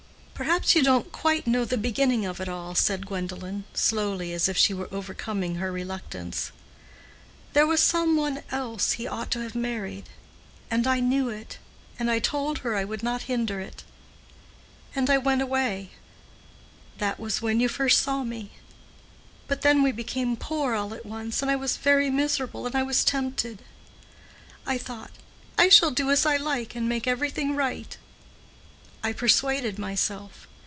"Perhaps you don't quite know the beginning of it all," said Gwendolen, slowly, as if she were overcoming her reluctance. "There was some one else he ought to have married. And I knew it, and I told her I would not hinder it. And I went away—that was when you first saw me. But then we became poor all at once, and I was very miserable, and I was tempted. I thought, 'I shall do as I like and make everything right.' I persuaded myself.